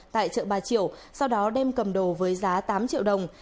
tại chợ bà triệu sau đó đem cầm đồ với giá tám triệu đồng